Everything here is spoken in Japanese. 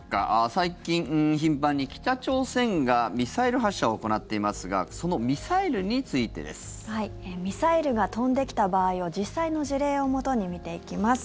最近、頻繁に北朝鮮がミサイル発射を行っていますがそのミサイルについてです。ミサイルが飛んできた場合を実際の事例をもとに見ていきます